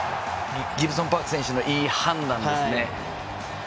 ギブソンパーク選手のいい判断ですね。